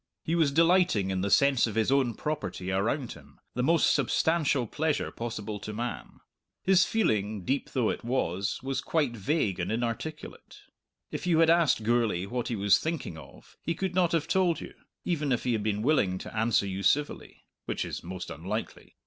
He was delighting in the sense of his own property around him, the most substantial pleasure possible to man. His feeling, deep though it was, was quite vague and inarticulate. If you had asked Gourlay what he was thinking of he could not have told you, even if he had been willing to answer you civilly which is most unlikely.